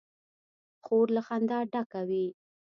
خور له خندا ډکه وي.